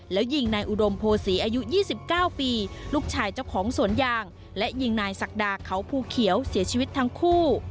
แล้วยิงนายอุดมโพศีอายุ๒๙ปีลูกชายเจ้าของสวนยางและยิงนายศักดาเขาภูเขียวเสียชีวิตทั้งคู่